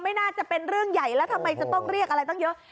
ไม่น่าจะเป็นเรื่องใหญ่แล้วทำไมจะต้องเรียกอะไรตั้งเยอะ